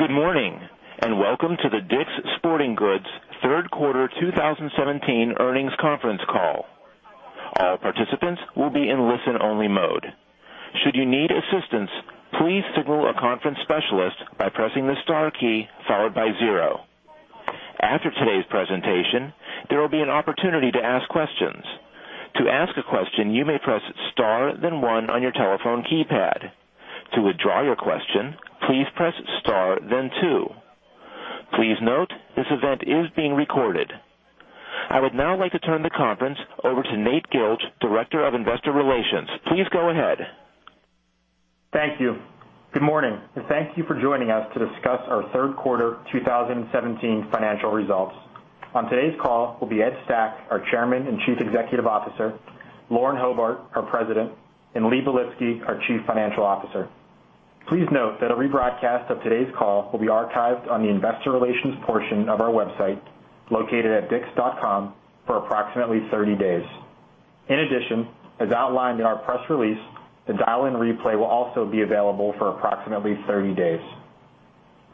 Good morning, and welcome to the DICK’S Sporting Goods third quarter 2017 earnings conference call. All participants will be in listen-only mode. Should you need assistance, please signal a conference specialist by pressing the star key, followed by zero. After today's presentation, there will be an opportunity to ask questions. To ask a question, you may press star then one on your telephone keypad. To withdraw your question, please press star then two. Please note, this event is being recorded. I would now like to turn the conference over to Nate Gilch, Director of Investor Relations. Please go ahead. Thank you. Good morning, and thank you for joining us to discuss our third quarter 2017 financial results. On today's call will be Ed Stack, our Chairman and Chief Executive Officer, Lauren Hobart, our President, and Lee Belitsky, our Chief Financial Officer. Please note that a rebroadcast of today's call will be archived on the investor relations portion of our website, located at dicks.com, for approximately 30 days. In addition, as outlined in our press release, the dial-in replay will also be available for approximately 30 days.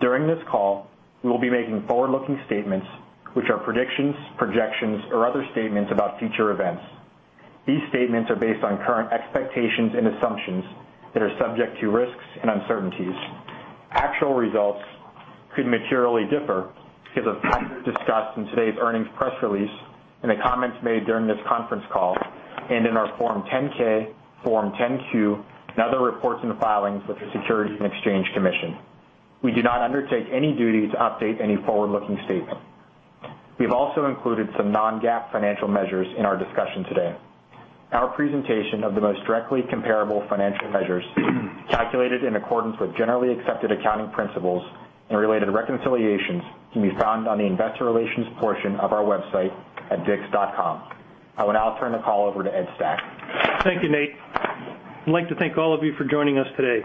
During this call, we will be making forward-looking statements, which are predictions, projections, or other statements about future events. These statements are based on current expectations and assumptions that are subject to risks and uncertainties. Actual results could materially differ because of factors discussed in today's earnings press release, in the comments made during this conference call, and in our Form 10-K, Form 10-Q, and other reports and filings with the Securities and Exchange Commission. We do not undertake any duty to update any forward-looking statement. We have also included some non-GAAP financial measures in our discussion today. Our presentation of the most directly comparable financial measures, calculated in accordance with generally accepted accounting principles and related reconciliations, can be found on the investor relations portion of our website at dicks.com. I will now turn the call over to Ed Stack. Thank you, Nate. I'd like to thank all of you for joining us today.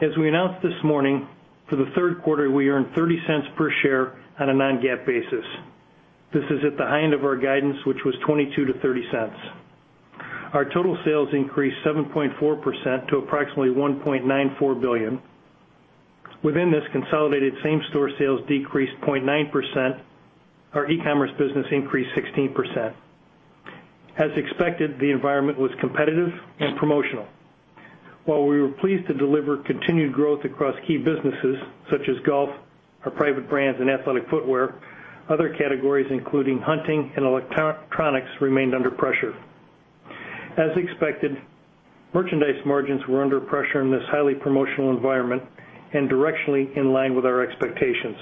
As we announced this morning, for the third quarter, we earned $0.30 per share on a non-GAAP basis. This is at the high end of our guidance, which was $0.22 to $0.30. Our total sales increased 7.4% to approximately $1.94 billion. Within this, consolidated same-store sales decreased 0.9%. Our e-commerce business increased 16%. As expected, the environment was competitive and promotional. While we were pleased to deliver continued growth across key businesses such as golf, our private brands, and athletic footwear, other categories, including hunting and electronics, remained under pressure. As expected, merchandise margins were under pressure in this highly promotional environment and directionally in line with our expectations.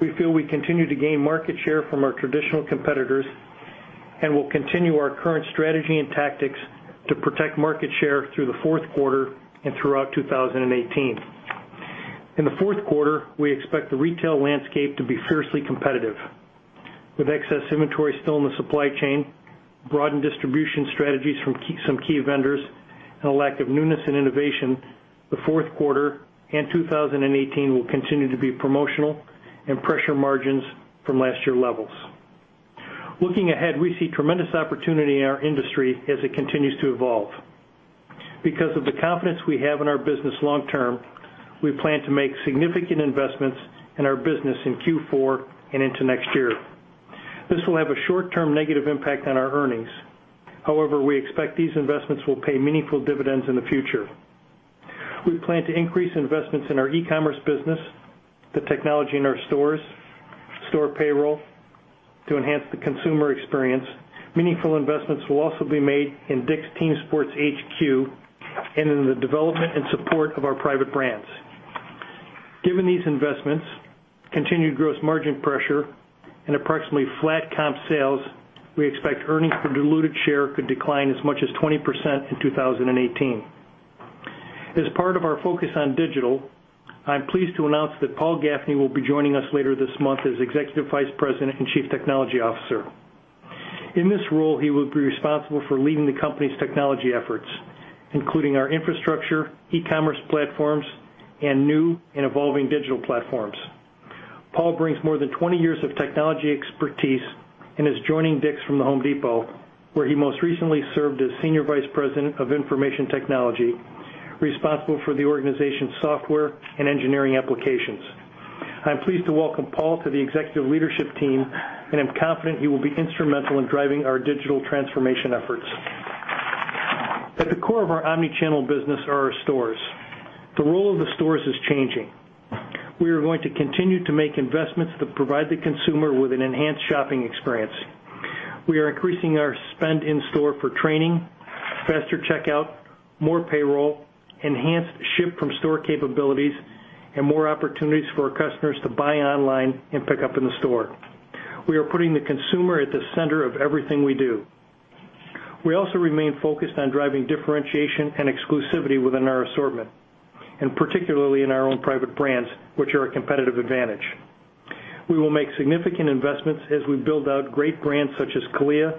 We feel we continue to gain market share from our traditional competitors, and we'll continue our current strategy and tactics to protect market share through the fourth quarter and throughout 2018. In the fourth quarter, we expect the retail landscape to be fiercely competitive. With excess inventory still in the supply chain, broadened distribution strategies from some key vendors, and a lack of newness and innovation, the fourth quarter and 2018 will continue to be promotional and pressure margins from last year levels. Looking ahead, we see tremendous opportunity in our industry as it continues to evolve. Because of the confidence we have in our business long term, we plan to make significant investments in our business in Q4 and into next year. This will have a short-term negative impact on our earnings. We expect these investments will pay meaningful dividends in the future. We plan to increase investments in our e-commerce business, the technology in our stores, store payroll to enhance the consumer experience. Meaningful investments will also be made in DICK'S Team Sports HQ and in the development and support of our private brands. Given these investments, continued gross margin pressure, and approximately flat comp sales, we expect earnings per diluted share could decline as much as 20% in 2018. As part of our focus on digital, I'm pleased to announce that Paul Gaffney will be joining us later this month as Executive Vice President and Chief Technology Officer. In this role, he will be responsible for leading the company's technology efforts, including our infrastructure, e-commerce platforms, and new and evolving digital platforms. Paul brings more than 20 years of technology expertise and is joining DICK'S from The Home Depot, where he most recently served as Senior Vice President of Information Technology, responsible for the organization's software and engineering applications. I'm pleased to welcome Paul to the executive leadership team, and I'm confident he will be instrumental in driving our digital transformation efforts. At the core of our omni-channel business are our stores. The role of the stores is changing. We are going to continue to make investments that provide the consumer with an enhanced shopping experience. We are increasing our spend in-store for training, faster checkout, more payroll, enhanced ship-from-store capabilities, and more opportunities for our customers to buy online and pick up in the store. We are putting the consumer at the center of everything we do. We also remain focused on driving differentiation and exclusivity within our assortment, and particularly in our own private brands, which are a competitive advantage. We will make significant investments as we build out great brands such as CALIA,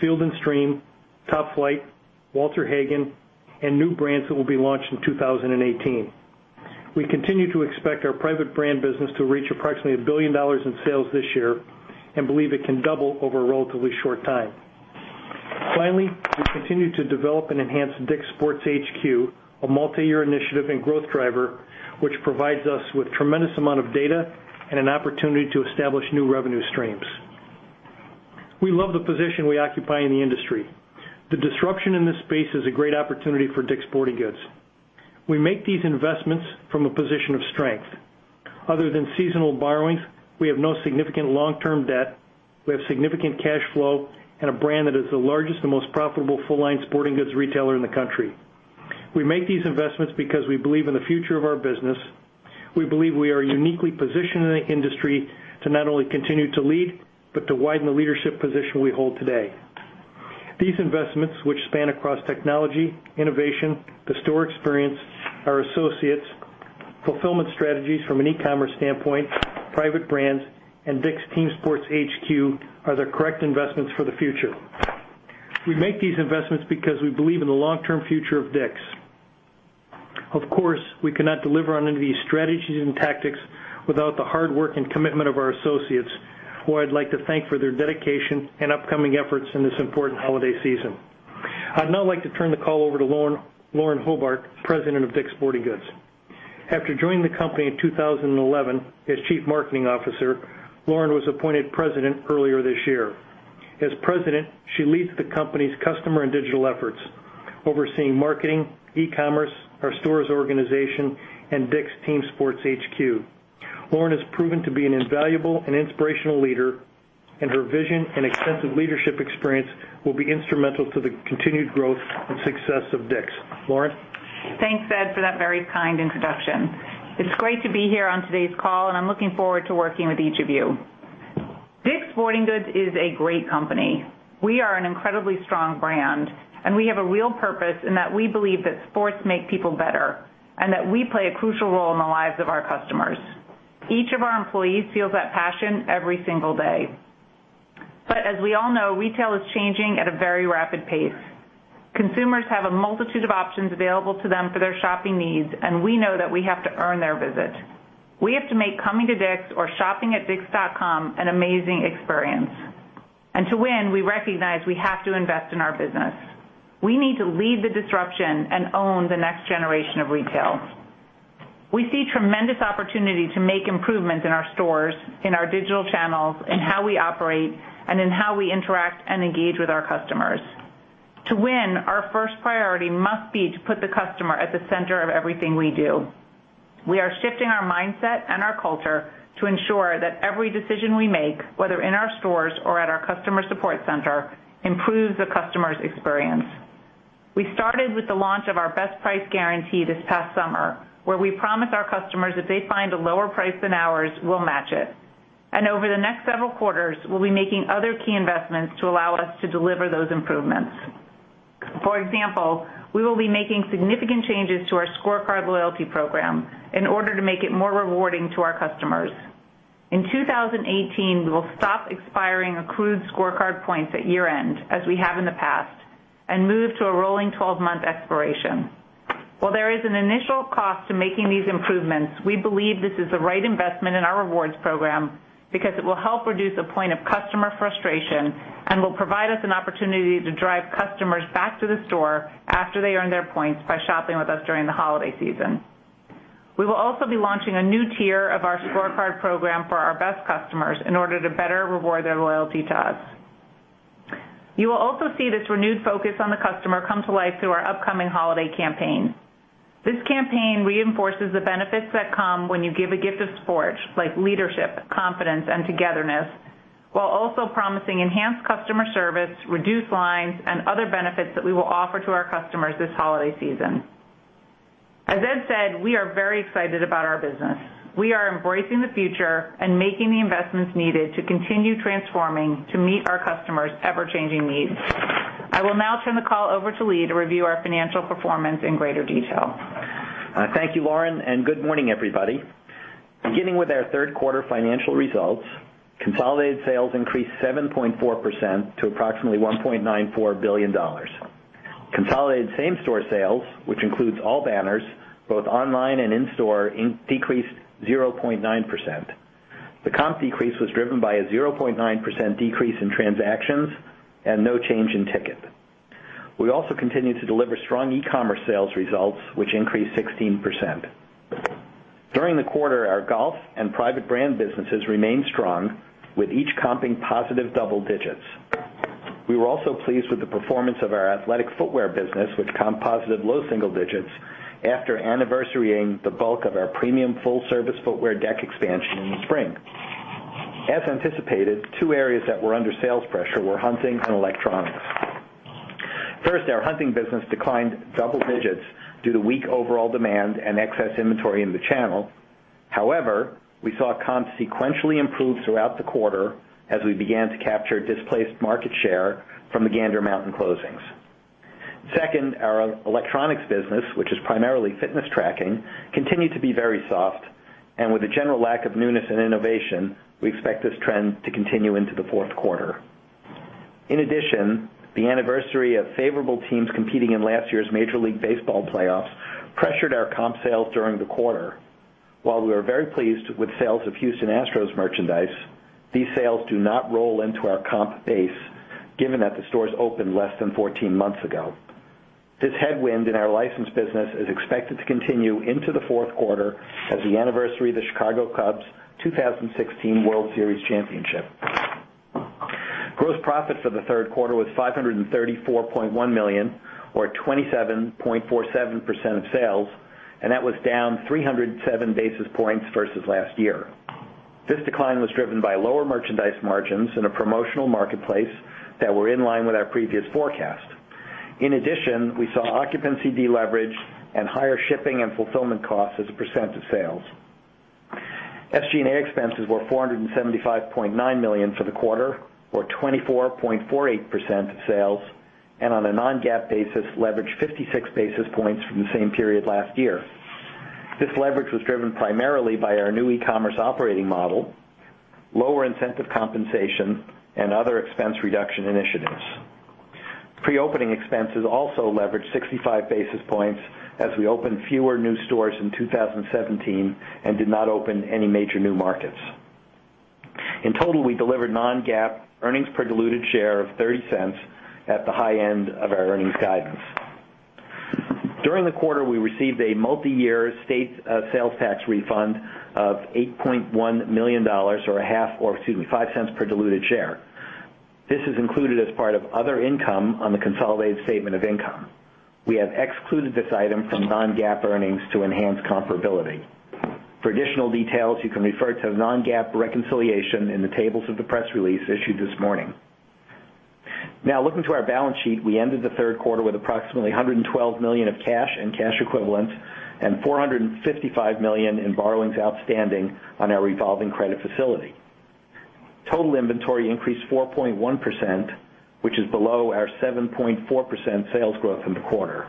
Field & Stream, Top Flite, Walter Hagen, and new brands that will be launched in 2018. We continue to expect our private brand business to reach approximately $1 billion in sales this year and believe it can double over a relatively short time. Finally, we continue to develop and enhance DICK'S Team Sports HQ, a multi-year initiative and growth driver, which provides us with tremendous amount of data and an opportunity to establish new revenue streams. We love the position we occupy in the industry. The disruption in this space is a great opportunity for DICK'S Sporting Goods. We make these investments from a position of strength. Other than seasonal borrowings, we have no significant long-term debt. We have significant cash flow and a brand that is the largest and most profitable full-line sporting goods retailer in the country. We make these investments because we believe in the future of our business. We believe we are uniquely positioned in the industry to not only continue to lead, but to widen the leadership position we hold today. These investments, which span across technology, innovation, the store experience, our associates, fulfillment strategies from an e-commerce standpoint, private brands, and DICK'S Team Sports HQ, are the correct investments for the future. We make these investments because we believe in the long-term future of DICK'S. Of course, we cannot deliver on any of these strategies and tactics without the hard work and commitment of our associates, who I'd like to thank for their dedication and upcoming efforts in this important holiday season. I'd now like to turn the call over to Lauren Hobart, President of DICK'S Sporting Goods. After joining the company in 2011 as Chief Marketing Officer, Lauren was appointed President earlier this year. As President, she leads the company's customer and digital efforts, overseeing marketing, e-commerce, our stores organization, and DICK'S Team Sports HQ. Lauren has proven to be an invaluable and inspirational leader, and her vision and extensive leadership experience will be instrumental to the continued growth and success of DICK'S. Lauren? Thanks, Ed, for that very kind introduction. It's great to be here on today's call, and I'm looking forward to working with each of you. DICK'S Sporting Goods is a great company. We are an incredibly strong brand, and we have a real purpose in that we believe that sports make people better, and that we play a crucial role in the lives of our customers. As we all know, retail is changing at a very rapid pace. Consumers have a multitude of options available to them for their shopping needs, and we know that we have to earn their visit. We have to make coming to DICK'S or shopping at dicks.com an amazing experience. To win, we recognize we have to invest in our business. We need to lead the disruption and own the next generation of retail. We see tremendous opportunity to make improvements in our stores, in our digital channels, in how we operate, and in how we interact and engage with our customers. To win, our first priority must be to put the customer at the center of everything we do. We are shifting our mindset and our culture to ensure that every decision we make, whether in our stores or at our customer support center, improves the customer's experience. We started with the launch of our Best Price Guarantee this past summer, where we promised our customers if they find a lower price than ours, we'll match it. Over the next several quarters, we'll be making other key investments to allow us to deliver those improvements. For example, we will be making significant changes to our ScoreCard loyalty program in order to make it more rewarding to our customers. In 2018, we will stop expiring accrued ScoreCard points at year-end, as we have in the past, and move to a rolling 12-month expiration. While there is an initial cost to making these improvements, we believe this is the right investment in our rewards program because it will help reduce a point of customer frustration and will provide us an opportunity to drive customers back to the store after they earn their points by shopping with us during the holiday season. We will also be launching a new tier of our ScoreCard program for our best customers in order to better reward their loyalty to us. You will also see this renewed focus on the customer come to life through our upcoming holiday campaign. This campaign reinforces the benefits that come when you give a gift of sports, like leadership, confidence, and togetherness, while also promising enhanced customer service, reduced lines, and other benefits that we will offer to our customers this holiday season. As Ed said, we are very excited about our business. We are embracing the future and making the investments needed to continue transforming to meet our customers' ever-changing needs. I will now turn the call over to Lee to review our financial performance in greater detail. Thank you, Lauren, and good morning, everybody. Beginning with our third quarter financial results, consolidated sales increased 7.4% to approximately $1.94 billion. Consolidated same-store sales, which includes all banners, both online and in-store, decreased 0.9%. The comp decrease was driven by a 0.9% decrease in transactions and no change in ticket. We also continued to deliver strong e-commerce sales results, which increased 16%. During the quarter, our golf and private brand businesses remained strong, with each comping positive double digits. We were also pleased with the performance of our athletic footwear business, which comped positive low single digits after anniversarying the bulk of our premium full-service footwear deck expansion in the spring. As anticipated, two areas that were under sales pressure were hunting and electronics. First, our hunting business declined double digits due to weak overall demand and excess inventory in the channel. However, we saw comps sequentially improve throughout the quarter as we began to capture displaced market share from the Gander Mountain closings. Second, our electronics business, which is primarily fitness tracking, continued to be very soft, and with a general lack of newness and innovation, we expect this trend to continue into the fourth quarter. In addition, the anniversary of favorable teams competing in last year's Major League Baseball playoffs pressured our comp sales during the quarter. While we are very pleased with sales of Houston Astros merchandise, these sales do not roll into our comp base given that the stores opened less than 14 months ago. This headwind in our licensed business is expected to continue into the fourth quarter as the anniversary of the Chicago Cubs' 2016 World Series championship. Gross profit for the third quarter was $534.1 million, or 27.47% of sales. That was down 307 basis points versus last year. This decline was driven by lower merchandise margins in a promotional marketplace that were in line with our previous forecast. In addition, we saw occupancy deleverage and higher shipping and fulfillment costs as a percent of sales. SG&A expenses were $475.9 million for the quarter, or 24.48% of sales, and on a non-GAAP basis, leveraged 56 basis points from the same period last year. This leverage was driven primarily by our new e-commerce operating model, lower incentive compensation, and other expense reduction initiatives. Pre-opening expenses also leveraged 65 basis points as we opened fewer new stores in 2017 and did not open any major new markets. In total, we delivered non-GAAP earnings per diluted share of $0.30 at the high end of our earnings guidance. During the quarter, we received a multi-year state sales tax refund of $8.1 million or $0.05 per diluted share. This is included as part of other income on the consolidated statement of income. We have excluded this item from non-GAAP earnings to enhance comparability. For additional details, you can refer to non-GAAP reconciliation in the tables of the press release issued this morning. Looking to our balance sheet, we ended the third quarter with approximately $112 million of cash and cash equivalents and $455 million in borrowings outstanding on our revolving credit facility. Total inventory increased 4.1%, which is below our 7.4% sales growth in the quarter.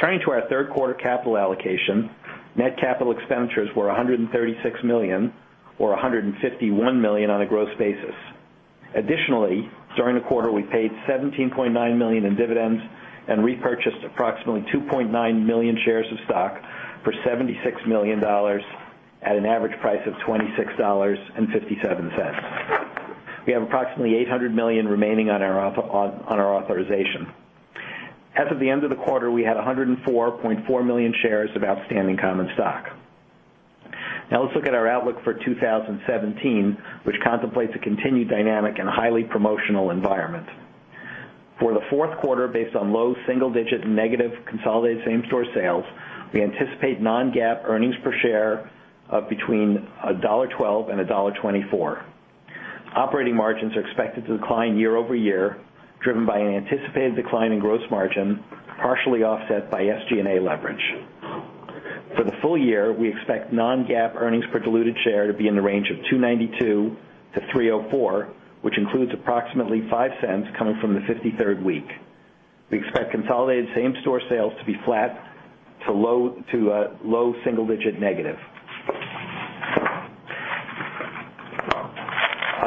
Turning to our third quarter capital allocation, net capital expenditures were $136 million, or $151 million on a gross basis. Additionally, during the quarter, we paid $17.9 million in dividends and repurchased approximately 2.9 million shares of stock for $76 million at an average price of $26.57. We have approximately $800 million remaining on our authorization. As of the end of the quarter, we had 104.4 million shares of outstanding common stock. Let's look at our outlook for 2017, which contemplates a continued dynamic and highly promotional environment. For the fourth quarter, based on low single-digit negative consolidated same-store sales, we anticipate non-GAAP earnings per share of between $1.12 and $1.24. Operating margins are expected to decline year-over-year, driven by an anticipated decline in gross margin, partially offset by SG&A leverage. For the full year, we expect non-GAAP earnings per diluted share to be in the range of $2.92 to $3.04, which includes approximately $0.05 coming from the fifty-third week. We expect consolidated same-store sales to be flat to low to a low single-digit negative.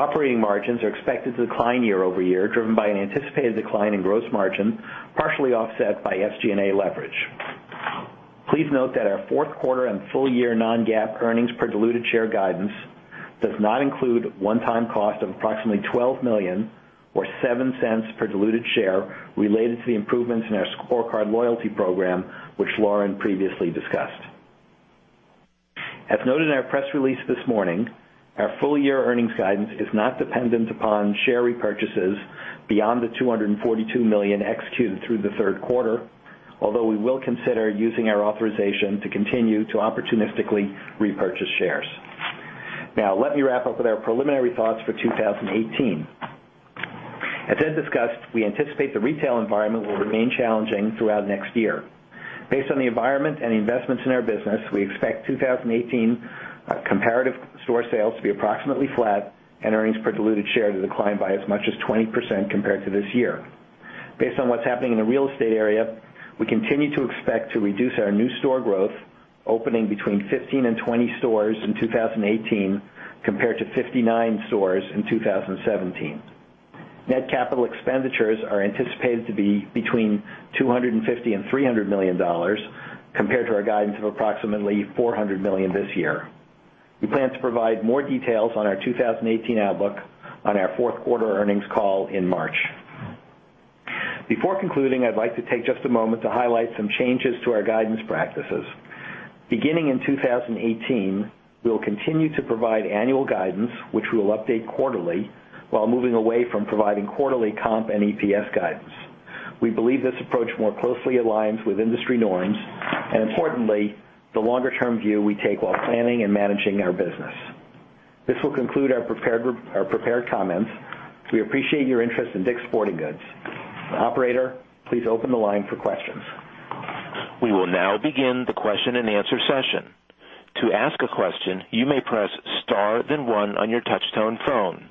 Operating margins are expected to decline year-over-year, driven by an anticipated decline in gross margin, partially offset by SG&A leverage. Please note that our fourth quarter and full-year non-GAAP earnings per diluted share guidance does not include one-time cost of approximately $12 million or $0.07 per diluted share related to the improvements in our ScoreCard loyalty program, which Lauren previously discussed. As noted in our press release this morning, our full-year earnings guidance is not dependent upon share repurchases beyond the $242 million executed through the third quarter, although we will consider using our authorization to continue to opportunistically repurchase shares. Let me wrap up with our preliminary thoughts for 2018. As Ed discussed, we anticipate the retail environment will remain challenging throughout next year. Based on the environment and the investments in our business, we expect 2018 comparative store sales to be approximately flat and earnings per diluted share to decline by as much as 20% compared to this year. Based on what's happening in the real estate area, we continue to expect to reduce our new store growth, opening between 15 and 20 stores in 2018 compared to 59 stores in 2017. Net capital expenditures are anticipated to be between $250 million and $300 million, compared to our guidance of approximately $400 million this year. We plan to provide more details on our 2018 outlook on our fourth quarter earnings call in March. Before concluding, I'd like to take just a moment to highlight some changes to our guidance practices. Beginning in 2018, we will continue to provide annual guidance, which we will update quarterly, while moving away from providing quarterly comp and EPS guidance. We believe this approach more closely aligns with industry norms and importantly, the longer-term view we take while planning and managing our business. This will conclude our prepared comments. We appreciate your interest in DICK'S Sporting Goods. Operator, please open the line for questions. We will now begin the question-and-answer session. To ask a question, you may press star then one on your touchtone phone.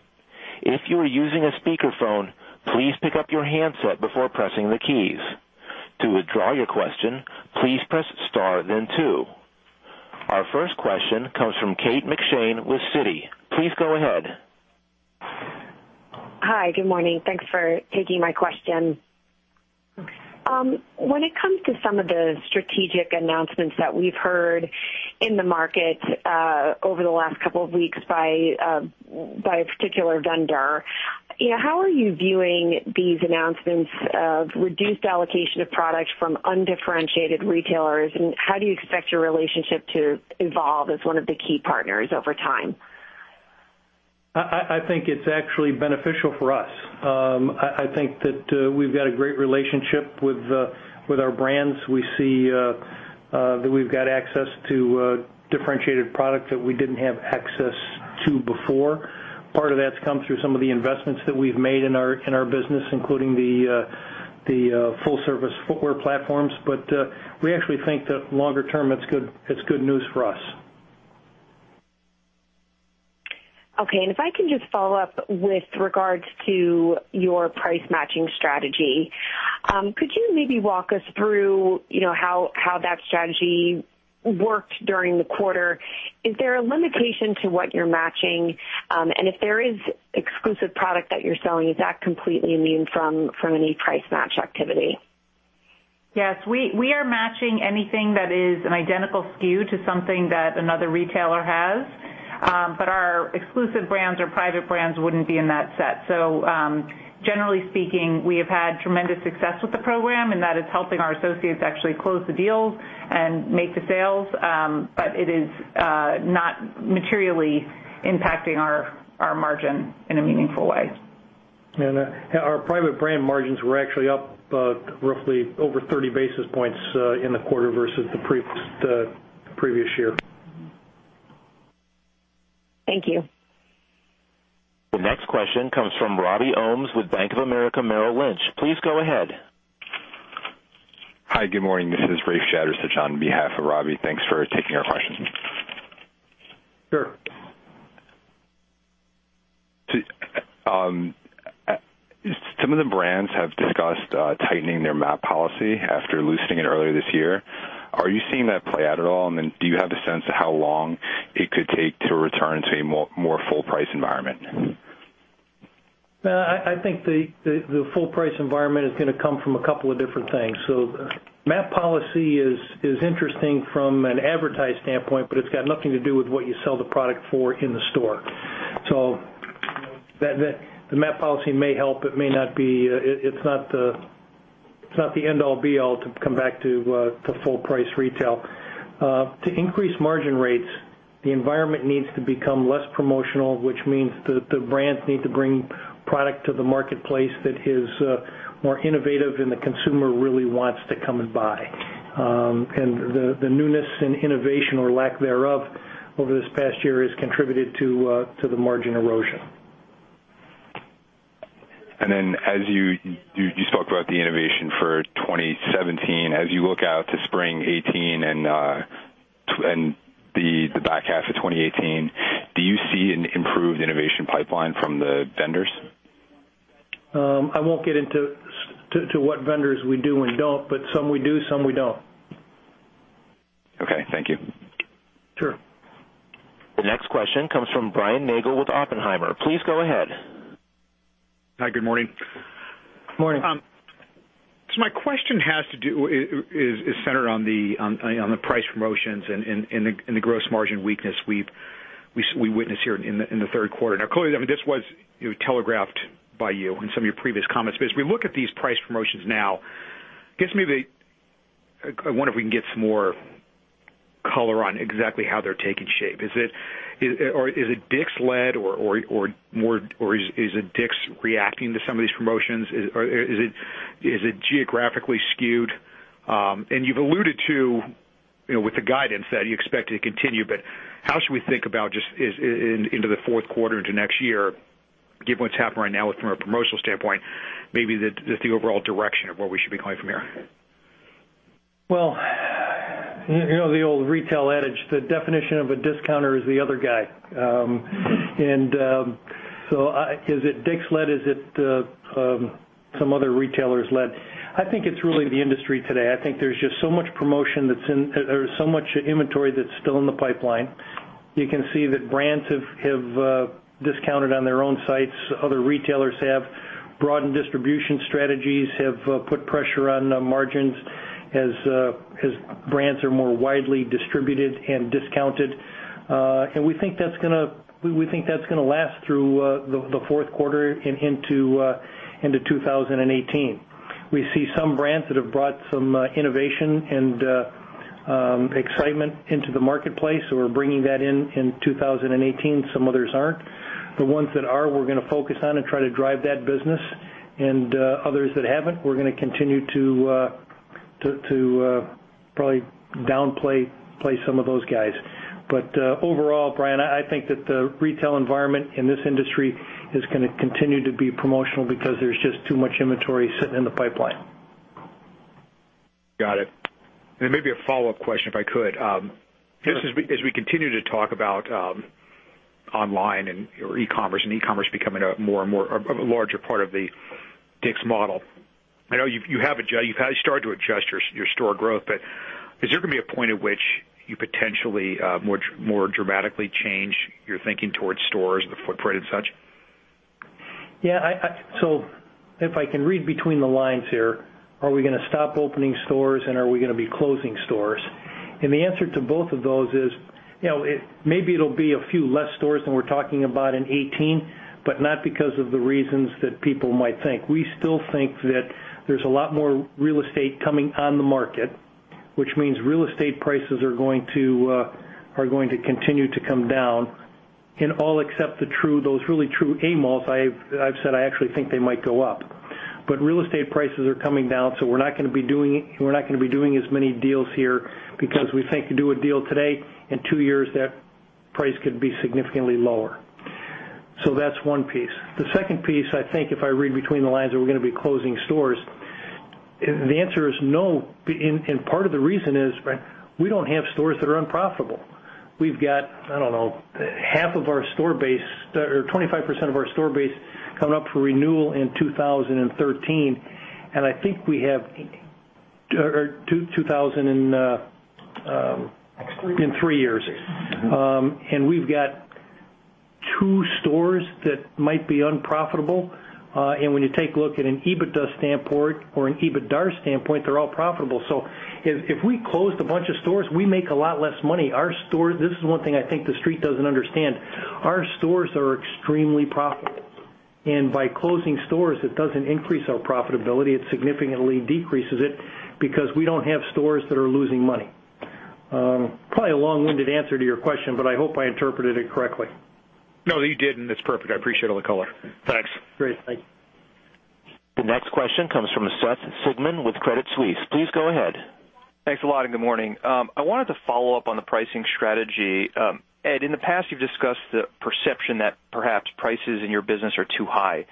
If you are using a speakerphone, please pick up your handset before pressing the keys. To withdraw your question, please press star then two. Our first question comes from Kate McShane with Citigroup. Please go ahead. Hi, good morning. Thanks for taking my question. When it comes to some of the strategic announcements that we've heard in the market over the last couple of weeks by a particular vendor, how are you viewing these announcements of reduced allocation of products from undifferentiated retailers, and how do you expect your relationship to evolve as one of the key partners over time? I think it's actually beneficial for us. I think that we've got a great relationship with our brands. We see that we've got access to differentiated product that we didn't have access to before. Part of that's come through some of the investments that we've made in our business, including the full-service footwear platforms. We actually think that longer term, it's good news for us. Okay. If I can just follow up with regards to your price-matching strategy. Could you maybe walk us through how that strategy worked during the quarter? Is there a limitation to what you're matching? If there is exclusive product that you're selling, is that completely immune from any price match activity? Yes, we are matching anything that is an identical SKU to something that another retailer has. Our exclusive brands or private brands wouldn't be in that set. Generally speaking, we have had tremendous success with the program, and that is helping our associates actually close the deals and make the sales. It is not materially impacting our margin in a meaningful way. Our private brand margins were actually up roughly over 30 basis points in the quarter versus the previous year. Thank you. The next question comes from Robby Ohmes with Bank of America Merrill Lynch. Please go ahead. Hi. Good morning. This is Raf Shadasan on behalf of Ravi. Thanks for taking our question. Sure. Some of the brands have discussed tightening their MAP policy after loosening it earlier this year. Are you seeing that play out at all? Do you have a sense of how long it could take to return to a more full-price environment? I think the full-price environment is going to come from a couple of different things. MAP policy is interesting from an advertising standpoint, but it's got nothing to do with what you sell the product for in the store. The MAP policy may help, it may not be. It's not the end-all be-all to come back to full-price retail. To increase margin rates, the environment needs to become less promotional, which means that the brands need to bring product to the marketplace that is more innovative and the consumer really wants to come and buy. The newness and innovation or lack thereof over this past year has contributed to the margin erosion. You spoke about the innovation for 2017. As you look out to Spring 2018 and the back half of 2018, do you see an improved innovation pipeline from the vendors? I won't get into what vendors we do and don't, some we do, some we don't. Okay. Thank you. Sure. The next question comes from Brian Nagel with Oppenheimer. Please go ahead. Hi, good morning. Morning. My question is centered on the price promotions and the gross margin weakness we witnessed here in the third quarter. Clearly, this was telegraphed by you in some of your previous comments. As we look at these price promotions now, I wonder if we can get some more color on exactly how they're taking shape. Is it DICK'S led, or is it DICK'S reacting to some of these promotions? Is it geographically skewed? You've alluded to, with the guidance, that you expect it to continue, how should we think about just into the fourth quarter, into next year, given what's happening right now from a promotional standpoint, maybe just the overall direction of where we should be going from here? Well, you know the old retail adage, the definition of a discounter is the other guy. Is it DICK'S led? Is it some other retailers led? I think it's really the industry today. I think there's just so much promotion, there's so much inventory that's still in the pipeline. You can see that brands have discounted on their own sites. Other retailers have broadened distribution strategies, have put pressure on margins as brands are more widely distributed and discounted. We think that's going to last through the fourth quarter and into 2018. We see some brands that have brought some innovation and excitement into the marketplace, so we're bringing that in 2018. Some others aren't. The ones that are, we're going to focus on and try to drive that business. Others that haven't, we're going to continue to probably downplay some of those guys. Overall, Brian, I think that the retail environment in this industry is going to continue to be promotional because there's just too much inventory sitting in the pipeline. Got it. Maybe a follow-up question, if I could. Sure. Just as we continue to talk about online or e-commerce, e-commerce becoming a larger part of the DICK'S model. I know you've started to adjust your store growth, is there going to be a point at which you potentially more dramatically change your thinking towards stores, the footprint, and such? Yeah. If I can read between the lines here, are we going to stop opening stores, and are we going to be closing stores? The answer to both of those is, maybe it'll be a few less stores than we're talking about in 2018, but not because of the reasons that people might think. We still think that there's a lot more real estate coming on the market, which means real estate prices are going to continue to come down and all except those really true A malls, I've said I actually think they might go up. Real estate prices are coming down, so we're not going to be doing as many deals here because we think to do a deal today, in two years, that price could be significantly lower. That's one piece. The second piece, I think if I read between the lines, are we going to be closing stores? The answer is no. Part of the reason is we don't have stores that are unprofitable. We've got, I don't know, 25% of our store base coming up for renewal in 2013. I think we have. '18 In three years. We've got two stores that might be unprofitable. When you take a look at an EBITDA standpoint or an EBITDAR standpoint, they're all profitable. If we closed a bunch of stores, we make a lot less money. This is one thing I think the Street doesn't understand. Our stores are extremely profitable. By closing stores, it doesn't increase our profitability. It significantly decreases it because we don't have stores that are losing money. Probably a long-winded answer to your question, but I hope I interpreted it correctly. No, you did, and it's perfect. I appreciate all the color. Thanks. Great. Thank you. The next question comes from Seth Sigman with Credit Suisse. Please go ahead. Thanks a lot. Good morning. I wanted to follow up on the pricing strategy. Ed, in the past, you've discussed the perception that perhaps prices in your business are too high.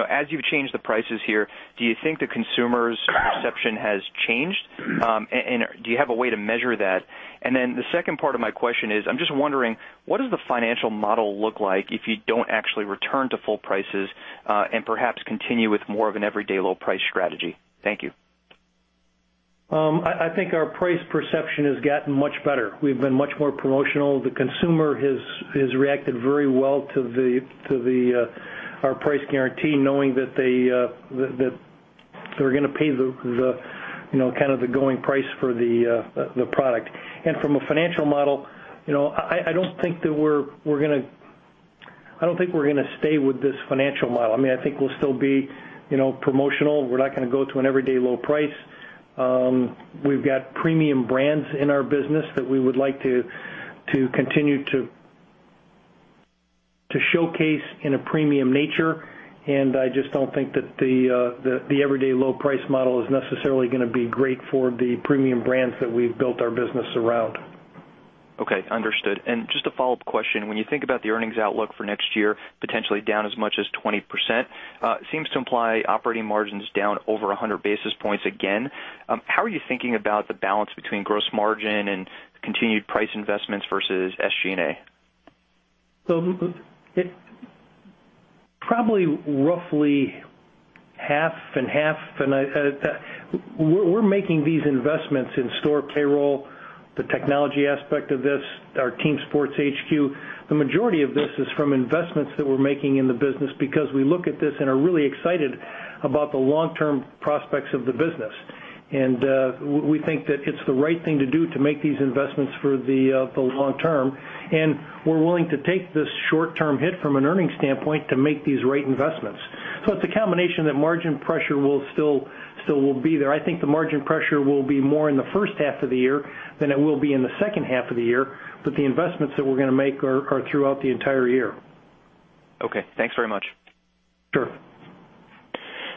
As you've changed the prices here, do you think the consumer's perception has changed? Do you have a way to measure that? The second part of my question is, I'm just wondering, what does the financial model look like if you don't actually return to full prices, and perhaps continue with more of an everyday low price strategy? Thank you. I think our price perception has gotten much better. We've been much more promotional. The consumer has reacted very well to our Price Guarantee, knowing that they're going to pay the going price for the product. From a financial model, I don't think we're going to stay with this financial model. I think we'll still be promotional. We're not going to go to an everyday low price. We've got premium brands in our business that we would like to continue to showcase in a premium nature, and I just don't think that the everyday low price model is necessarily going to be great for the premium brands that we've built our business around. Okay. Understood. Just a follow-up question. When you think about the earnings outlook for next year, potentially down as much as 20%, seems to imply operating margins down over 100 basis points again. How are you thinking about the balance between gross margin and continued price investments versus SG&A? Probably roughly half and half. We're making these investments in store payroll, the technology aspect of this, our Team Sports HQ. The majority of this is from investments that we're making in the business because we look at this and are really excited about the long-term prospects of the business. We think that it's the right thing to do to make these investments for the long term. We're willing to take this short-term hit from an earnings standpoint to make these right investments. It's a combination that margin pressure will still be there. I think the margin pressure will be more in the first half of the year than it will be in the second half of the year, the investments that we're going to make are throughout the entire year. Okay. Thanks very much. Sure.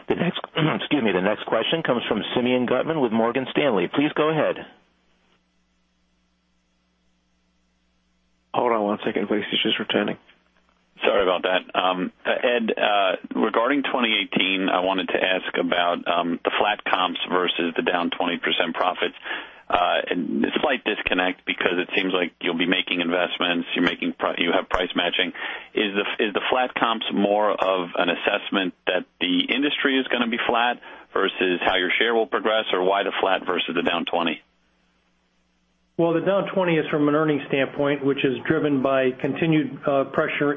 Excuse me. The next question comes from Simeon Gutman with Morgan Stanley. Please go ahead. Hold on one second, please. He's just returning. Sorry about that. Ed, regarding 2018, I wanted to ask about the flat comps versus the down 20% profits. A slight disconnect because it seems like you'll be making investments. You have price matching. Is the flat comps more of an assessment that the industry is going to be flat versus how your share will progress, or why the flat versus the down 20%? The down 20% is from an earnings standpoint, which is driven by continued pressure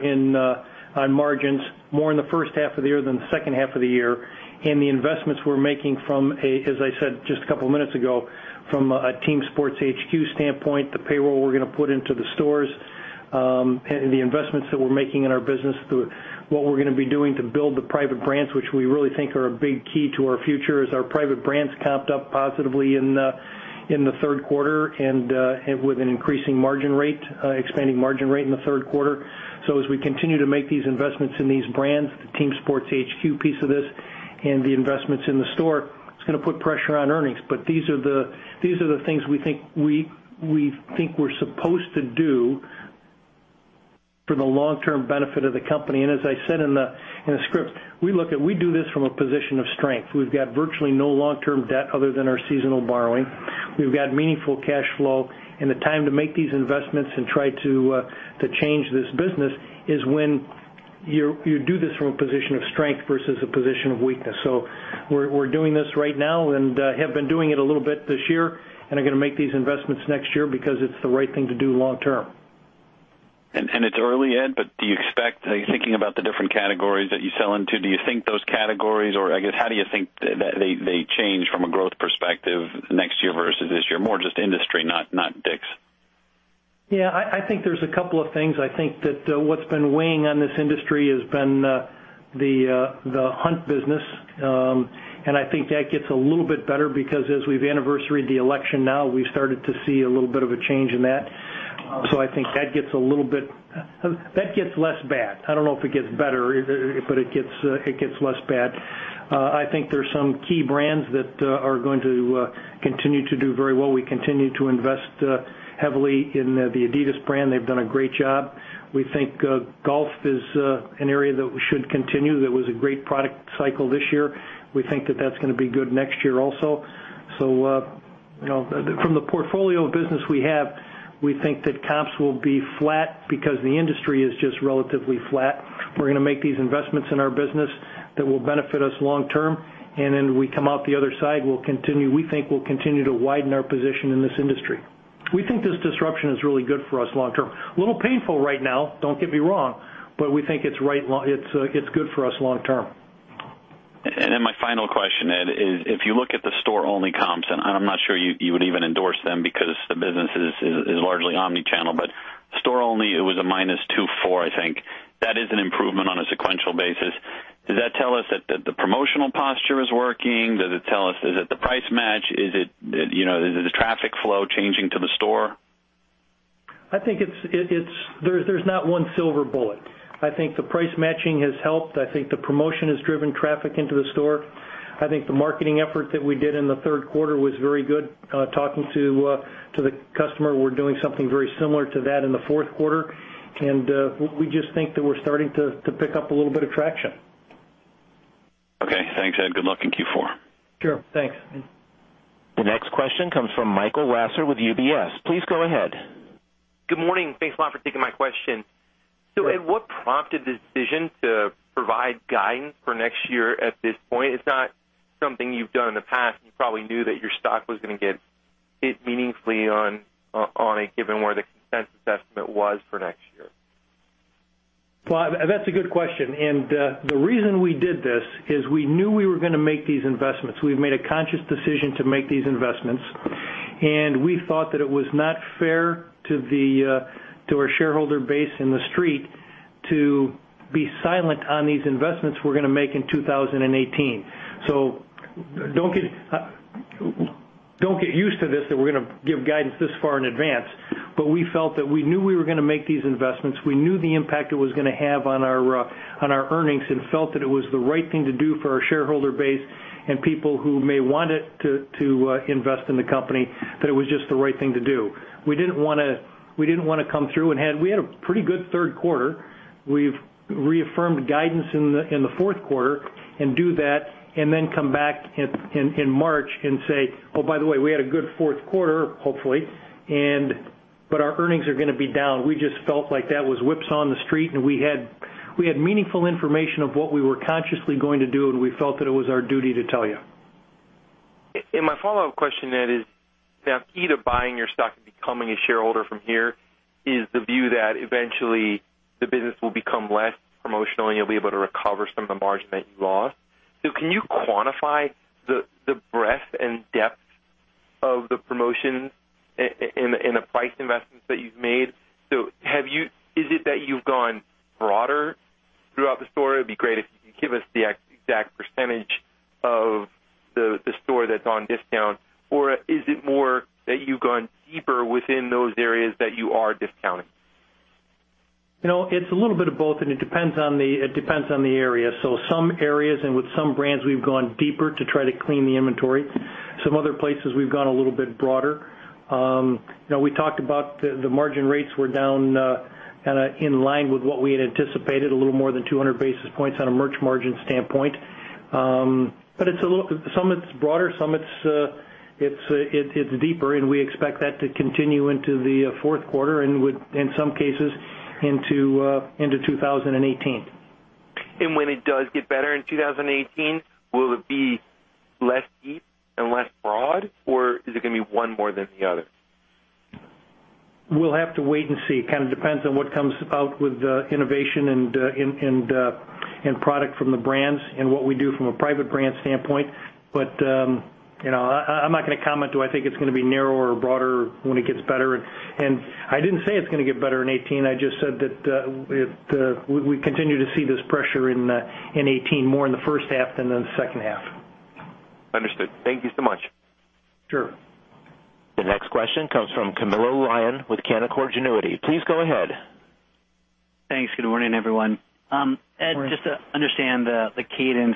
on margins, more in the first half of the year than the second half of the year. The investments we're making from a, as I said just a couple of minutes ago, from a Team Sports HQ standpoint, the payroll we're going to put into the stores, and the investments that we're making in our business, what we're going to be doing to build the private brands, which we really think are a big key to our future, as our private brands comped up positively in the Third Quarter and with an increasing margin rate, expanding margin rate in the Third Quarter. As we continue to make these investments in these brands, the Team Sports HQ piece of this, and the investments in the store, it's going to put pressure on earnings. These are the things we think we're supposed to do for the long-term benefit of the company. As I said in the script, we do this from a position of strength. We've got virtually no long-term debt other than our seasonal borrowing. We've got meaningful cash flow, and the time to make these investments and try to change this business is when You do this from a position of strength versus a position of weakness. We're doing this right now and have been doing it a little bit this year, and are going to make these investments next year because it's the right thing to do long term. It's early, Ed, do you expect, thinking about the different categories that you sell into, do you think those categories or, I guess, how do you think they change from a growth perspective next year versus this year? More just industry, not DICK'S. Yeah. I think there's a couple of things. I think that what's been weighing on this industry has been the hunt business. I think that gets a little bit better because as we've anniversaried the election now, we've started to see a little bit of a change in that. I think that gets less bad. I don't know if it gets better, it gets less bad. I think there's some key brands that are going to continue to do very well. We continue to invest heavily in the Adidas brand. They've done a great job. We think Golf is an area that we should continue. That was a great product cycle this year. We think that that's going to be good next year also. From the portfolio business we have, we think that comps will be flat because the industry is just relatively flat. We're going to make these investments in our business that will benefit us long term. We come out the other side, we think we'll continue to widen our position in this industry. We think this disruption is really good for us long term. A little painful right now, don't get me wrong, we think it's good for us long term. My final question, Ed, is if you look at the store-only comps, I'm not sure you would even endorse them because the business is largely omni-channel, store only, it was a -2.4%, I think. That is an improvement on a sequential basis. Does that tell us that the promotional posture is working? Does it tell us, is it the Price Match? Is the traffic flow changing to the store? I think there's not one silver bullet. I think the price matching has helped. I think the promotion has driven traffic into the store. I think the marketing effort that we did in the third quarter was very good. Talking to the customer, we're doing something very similar to that in the fourth quarter. We just think that we're starting to pick up a little bit of traction. Okay. Thanks, Ed. Good luck in Q4. Sure. Thanks. The next question comes from Michael Lasser with UBS. Please go ahead. Good morning. Thanks a lot for taking my question. Sure. Ed, what prompted the decision to provide guidance for next year at this point? It's not something you've done in the past. You probably knew that your stock was going to get hit meaningfully on it, given where the consensus estimate was for next year. That's a good question. The reason we did this is we knew we were going to make these investments. We've made a conscious decision to make these investments, and we thought that it was not fair to our shareholder base in the street to be silent on these investments we're going to make in 2018. Don't get used to this, that we're going to give guidance this far in advance. We felt that we knew we were going to make these investments. We knew the impact it was going to have on our earnings and felt that it was the right thing to do for our shareholder base and people who may want it to invest in the company, that it was just the right thing to do. We had a pretty good third quarter. We've reaffirmed guidance in the fourth quarter and do that, then come back in March and say, "Oh, by the way, we had a good fourth quarter," hopefully, "our earnings are going to be down." We just felt like that was whipsaw the street, We had meaningful information of what we were consciously going to do, and we felt that it was our duty to tell you. My follow-up question is, now key to buying your stock and becoming a shareholder from here is the view that eventually the business will become less promotional and you'll be able to recover some of the margin that you lost. Can you quantify the breadth and depth of the promotions and the price investments that you've made? Is it that you've gone broader throughout the store? It would be great if you can give us the exact % of the store that's on discount. Is it more that you've gone deeper within those areas that you are discounting? It's a little bit of both and it depends on the area. Some areas and with some brands, we've gone deeper to try to clean the inventory. Some other places, we've gone a little bit broader. We talked about the margin rates were down, in line with what we had anticipated, a little more than 200 basis points on a merch margin standpoint. Some it's broader, some it's deeper, and we expect that to continue into the fourth quarter and in some cases into 2018. When it does get better in 2018, will it be less deep and less broad, or is it going to be one more than the other? We'll have to wait and see. Kind of depends on what comes out with innovation and product from the brands and what we do from a private brand standpoint. I'm not going to comment do I think it's going to be narrower or broader when it gets better. I didn't say it's going to get better in 2018. I just said that we continue to see this pressure in 2018 more in the first half than in the second half. Understood. Thank you so much. Sure. The next question comes from Camilo Lyon with Canaccord Genuity. Please go ahead. Thanks. Good morning, everyone. Morning. Ed, just to understand the cadence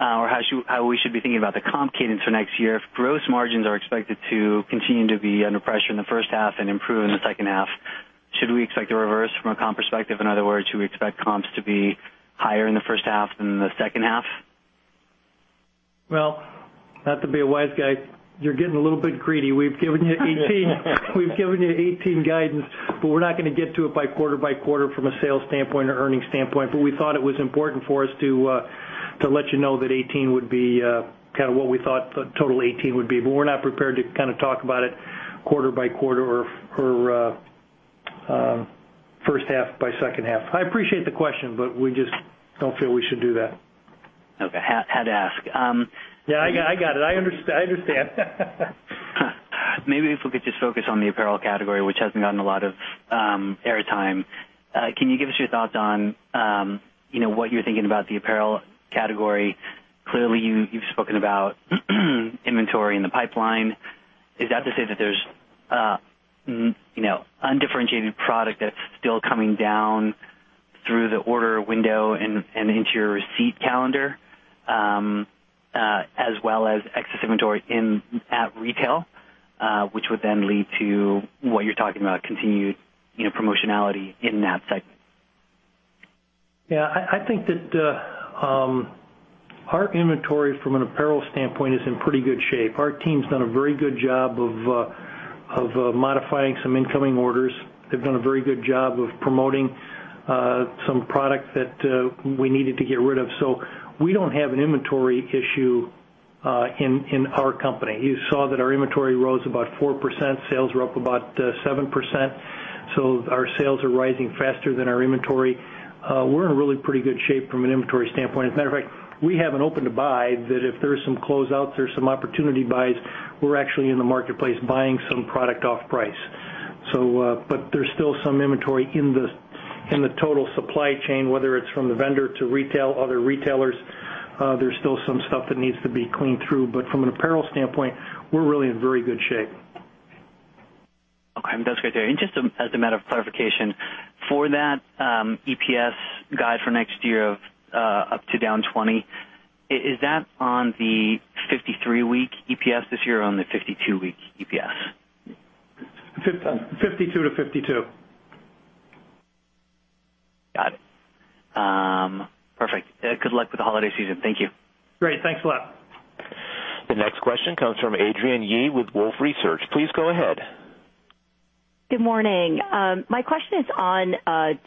or how we should be thinking about the comp cadence for next year. If gross margins are expected to continue to be under pressure in the first half and improve in the second half, should we expect the reverse from a comp perspective? In other words, should we expect comps to be higher in the first half than the second half? Well, not to be a wise guy, you're getting a little bit greedy. We've given you 2018 guidance, we're not going to get to it by quarter by quarter from a sales standpoint or earnings standpoint. We thought it was important for us to let you know that 2018 would be kind of what we thought total 2018 would be. We're not prepared to talk about it quarter by quarter or first half by second half. I appreciate the question, but we just don't feel we should do that. Okay. Had to ask. Yeah, I got it. I understand. Maybe if we could just focus on the apparel category, which hasn't gotten a lot of air time. Can you give us your thoughts on what you're thinking about the apparel category? Clearly, you've spoken about inventory in the pipeline. Is that to say that there's undifferentiated product that's still coming down through the order window and into your receipt calendar, as well as excess inventory at retail, which would then lead to what you're talking about, continued promotionality in that segment? Yeah, I think that our inventory from an apparel standpoint is in pretty good shape. Our team's done a very good job of modifying some incoming orders. They've done a very good job of promoting some product that we needed to get rid of. We don't have an inventory issue in our company. You saw that our inventory rose about 4%. Sales were up about 7%. Our sales are rising faster than our inventory. We're in a really pretty good shape from an inventory standpoint. As a matter of fact, we have an open to buy that if there's some closeouts, there's some opportunity buys. We're actually in the marketplace buying some product off price. There's still some inventory in the total supply chain, whether it's from the vendor to other retailers. There's still some stuff that needs to be cleaned through. From an apparel standpoint, we're really in very good shape. Okay. That's great to hear. Just as a matter of clarification, for that EPS guide for next year of up to down 20, is that on the 53-week EPS this year or on the 52-week EPS? 52 to 52. Got it. Perfect. Good luck with the holiday season. Thank you. Great. Thanks a lot. The next question comes from Adrienne Yih with Wolfe Research. Please go ahead. Good morning. My question is on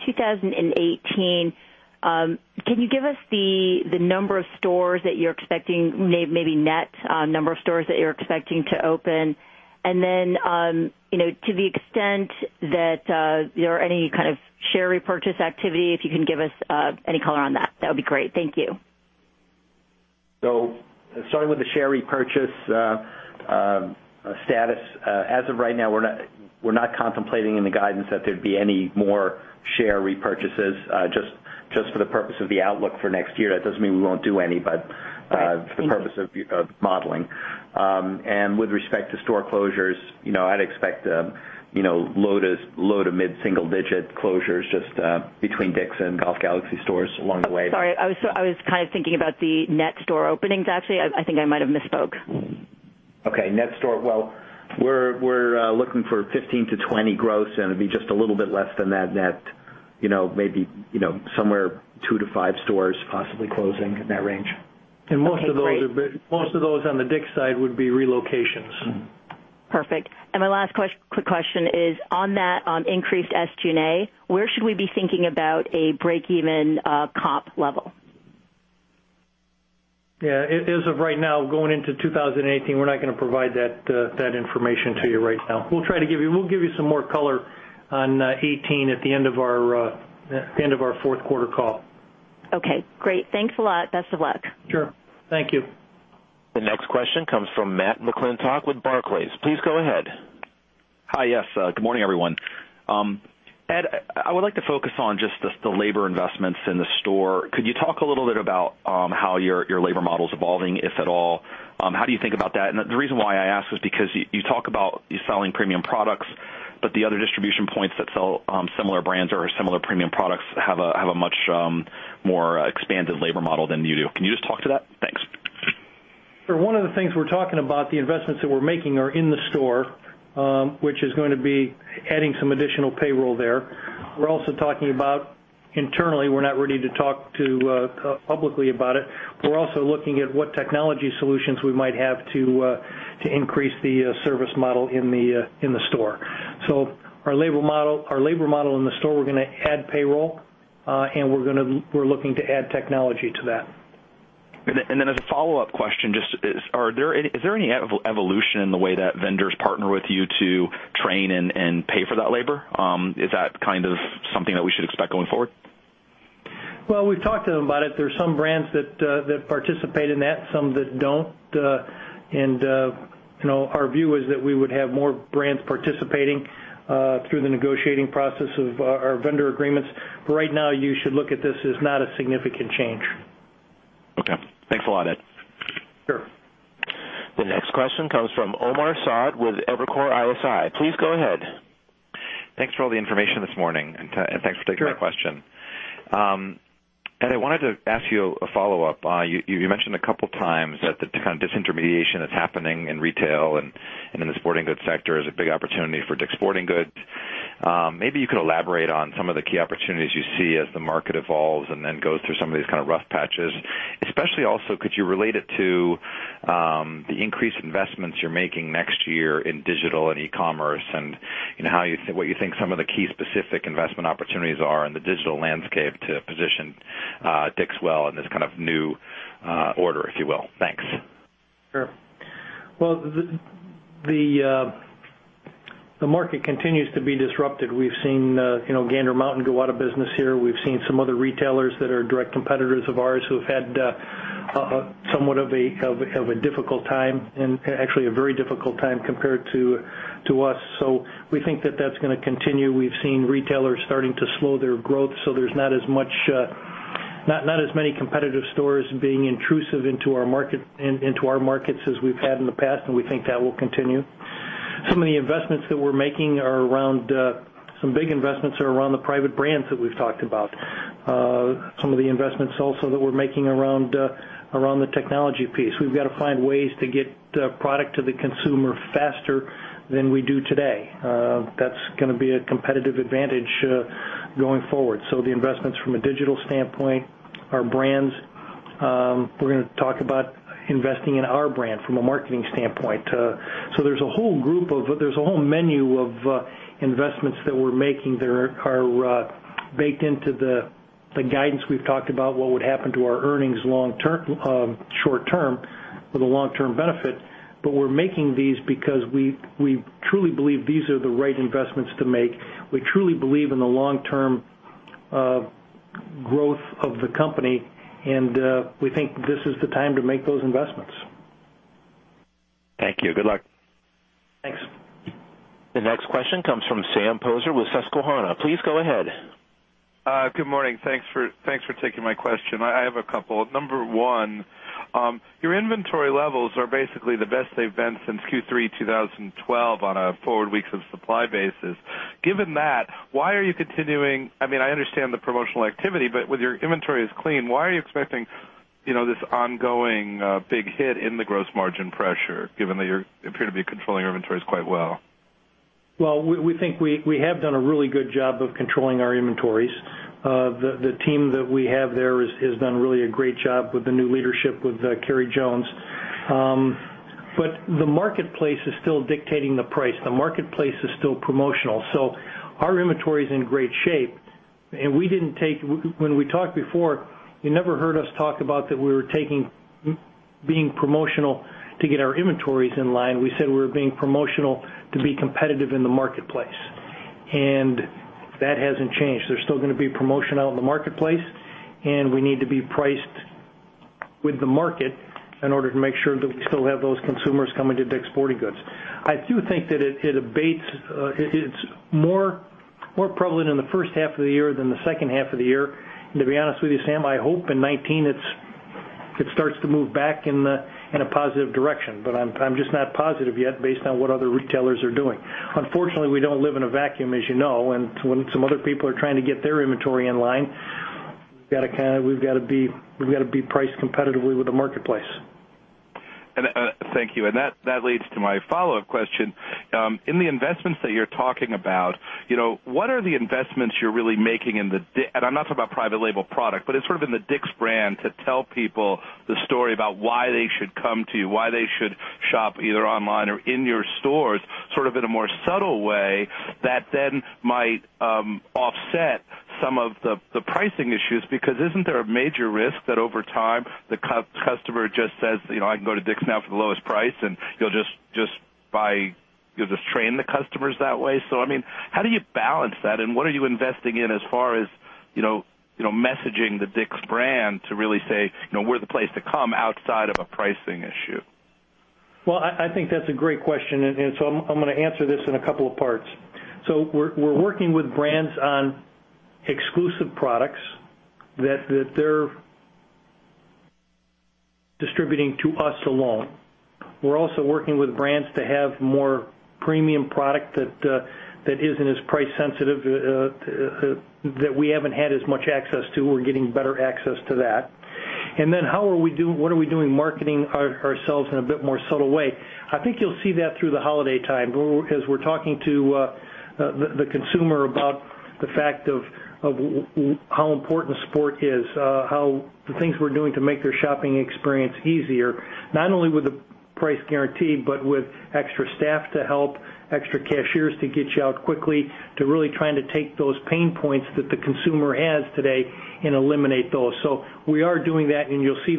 2018. Can you give us the number of stores that you're expecting, maybe net number of stores that you're expecting to open? Then, to the extent that there are any kind of share repurchase activity, if you can give us any color on that would be great. Thank you. Starting with the share repurchase status. As of right now, we're not contemplating in the guidance that there'd be any more share repurchases, just for the purpose of the outlook for next year. That doesn't mean we won't do any, but for the purpose of modeling. With respect to store closures, I'd expect low to mid single-digit closures just between DICK'S and Golf Galaxy stores along the way. Sorry. I was kind of thinking about the net store openings, actually. I think I might have misspoke. Okay. Net store. Well, we're looking for 15-20 stores growth, and it'd be just a little bit less than that net. Maybe somewhere 2 to 5 stores possibly closing in that range. Okay, great. Most of those on the DICK'S side would be relocations. Perfect. My last quick question is on that increased SG&A, where should we be thinking about a break even comp level? Yeah. As of right now, going into 2018, we're not going to provide that information to you right now. We'll give you some more color on 2018 at the end of our fourth quarter call. Okay, great. Thanks a lot. Best of luck. Sure. Thank you. The next question comes from Matt McClintock with Barclays. Please go ahead. Hi. Yes. Good morning, everyone. Ed, I would like to focus on just the labor investments in the store. Could you talk a little bit about how your labor model's evolving, if at all? How do you think about that? The reason why I ask is because you talk about selling premium products, but the other distribution points that sell similar brands or similar premium products have a much more expanded labor model than you do. Can you just talk to that? Thanks. Sure. One of the things we're talking about, the investments that we're making are in the store, which is going to be adding some additional payroll there. We're also talking about internally, we're not ready to talk publicly about it. We're also looking at what technology solutions we might have to increase the service model in the store. Our labor model in the store, we're going to add payroll, and we're looking to add technology to that. As a follow-up question, is there any evolution in the way that vendors partner with you to train and pay for that labor? Is that kind of something that we should expect going forward? Well, we've talked to them about it. There's some brands that participate in that, some that don't. Our view is that we would have more brands participating through the negotiating process of our vendor agreements. Right now, you should look at this as not a significant change. Okay. Thanks a lot, Ed. Sure. The next question comes from Omar Saad with Evercore ISI. Please go ahead. Thanks for all the information this morning, thanks for taking my question. Sure. Ed, I wanted to ask you a follow-up. You mentioned a couple times that the kind of disintermediation that's happening in retail and in the sporting goods sector is a big opportunity for DICK'S Sporting Goods. Maybe you could elaborate on some of the key opportunities you see as the market evolves then goes through some of these kind of rough patches. Especially also, could you relate it to the increased investments you're making next year in digital and e-commerce, what you think some of the key specific investment opportunities are in the digital landscape to position DICK'S well in this kind of new order, if you will. Thanks. Sure. Well, the market continues to be disrupted. We've seen Gander Mountain go out of business here. We've seen some other retailers that are direct competitors of ours who have had somewhat of a difficult time, actually a very difficult time compared to us. We think that that's going to continue. We've seen retailers starting to slow their growth, there's not as many competitive stores being intrusive into our markets as we've had in the past, we think that will continue. Some of the investments that we're making, some big investments, are around the private brands that we've talked about. Some of the investments also that we're making around the technology piece. We've got to find ways to get product to the consumer faster than we do today. That's going to be a competitive advantage going forward. The investments from a digital standpoint, our brands. We're going to talk about investing in our brand from a marketing standpoint. There's a whole menu of investments that we're making that are baked into the guidance we've talked about, what would happen to our earnings long-term, short-term, with a long-term benefit. We're making these because we truly believe these are the right investments to make. We truly believe in the long-term growth of the company, we think this is the time to make those investments. Thank you. Good luck. Thanks. The next question comes from Sam Poser with Susquehanna. Please go ahead. Good morning. Thanks for taking my question. I have a couple. Number one, your inventory levels are basically the best they've been since Q3 2012 on a forward weeks of supply basis. Given that, why are you continuing? I mean, I understand the promotional activity, but with your inventories clean, why are you expecting this ongoing big hit in the gross margin pressure, given that you appear to be controlling your inventories quite well? Well, we think we have done a really good job of controlling our inventories. The team that we have there has done really a great job with the new leadership with Keri Jones. The marketplace is still dictating the price. The marketplace is still promotional. Our inventory is in great shape. When we talked before, you never heard us talk about that we were being promotional to get our inventories in line. We said we were being promotional to be competitive in the marketplace. That hasn't changed. There's still going to be promotion out in the marketplace, and we need to be priced with the market in order to make sure that we still have those consumers coming to DICK'S Sporting Goods. I do think that it's more prevalent in the first half of the year than the second half of the year. To be honest with you, Sam, I hope in 2019, it starts to move back in a positive direction. I'm just not positive yet based on what other retailers are doing. Unfortunately, we don't live in a vacuum, as you know. When some other people are trying to get their inventory in line, we've got to be priced competitively with the marketplace. Thank you. That leads to my follow-up question. In the investments that you're talking about, what are the investments you're really making, and I'm not talking about private label product, but it's sort of in the DICK'S brand to tell people the story about why they should come to you, why they should shop either online or in your stores, sort of in a more subtle way that then might offset some of the pricing issues. Isn't there a major risk that over time, the customer just says, "I can go to DICK'S now for the lowest price," and you'll just train the customers that way? I mean, how do you balance that, and what are you investing in as far as messaging the DICK'S brand to really say, "We're the place to come," outside of a pricing issue? I think that's a great question. I'm going to answer this in a couple of parts. We're working with brands on exclusive products that they're distributing to us alone. We're also working with brands to have more premium product that isn't as price sensitive, that we haven't had as much access to. We're getting better access to that. Then what are we doing marketing ourselves in a bit more subtle way? I think you'll see that through the holiday time. We're talking to the consumer about the fact of how important sport is, how the things we're doing to make their shopping experience easier, not only with the Price Guarantee, but with extra staff to help, extra cashiers to get you out quickly, to really trying to take those pain points that the consumer has today and eliminate those. We are doing that, and you'll see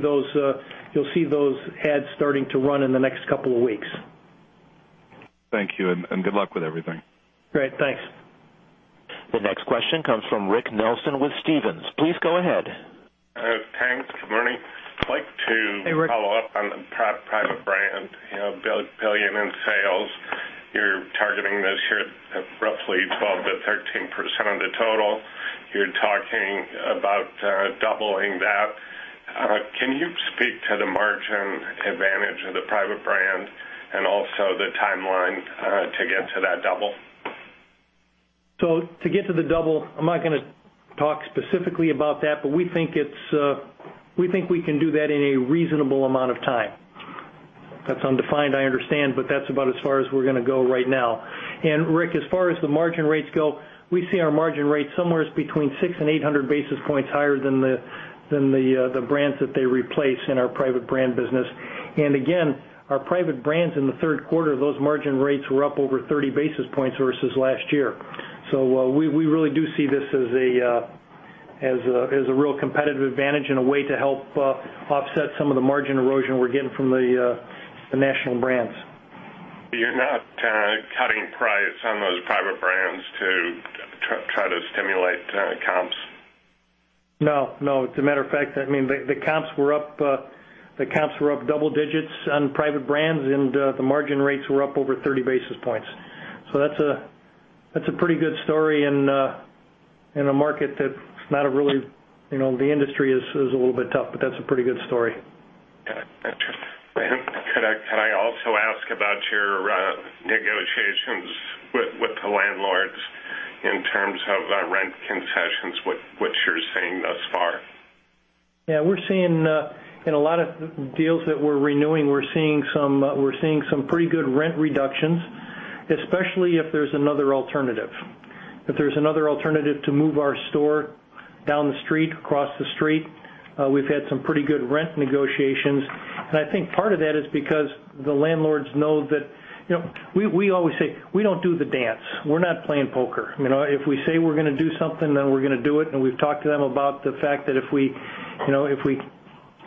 those ads starting to run in the next couple of weeks. Thank you, and good luck with everything. Great. Thanks. The next question comes from Rick Nelson with Stephens. Please go ahead. Thanks. Good morning. Hey, Rick. I'd like to follow up on the private brand. Billion in sales. You're targeting this year at roughly 12%-13% of the total. You're talking about doubling that. Can you speak to the margin advantage of the private brand and also the timeline to get to that double? To get to the double, I'm not going to talk specifically about that, we think we can do that in a reasonable amount of time. That's undefined, I understand, that's about as far as we're going to go right now. Rick, as far as the margin rates go, we see our margin rates somewhere between 600 and 800 basis points higher than the brands that they replace in our private brand business. Again, our private brands in the third quarter, those margin rates were up over 30 basis points versus last year. We really do see this as a real competitive advantage and a way to help offset some of the margin erosion we're getting from the national brands. You're not cutting price on those private brands to try to stimulate comps? No. As a matter of fact, the comps were up double digits on private brands, the margin rates were up over 30 basis points. That's a pretty good story in a market that's the industry is a little bit tough, but that's a pretty good story. Got it. Interesting. Could I also ask about your negotiations with the landlords in terms of rent concessions, what you're seeing thus far? Yeah, in a lot of deals that we're renewing, we're seeing some pretty good rent reductions, especially if there's another alternative. If there's another alternative to move our store down the street, across the street, we've had some pretty good rent negotiations, and I think part of that is because the landlords know that. We always say, "We don't do the dance. We're not playing poker." If we say we're going to do something, then we're going to do it, and we've talked to them about the fact that if we